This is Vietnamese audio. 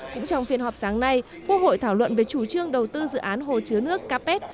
cũng trong phiên họp sáng nay quốc hội thảo luận về chủ trương đầu tư dự án hồ chứa nước capet